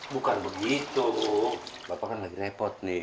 bukan begitu bapak kan lagi repot nih